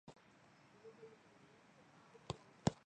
首任宿舍舍监为杨鹤强博士及邓素琴博士。